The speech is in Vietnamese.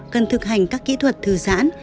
cần thực hành các kỹ thuật thư giãn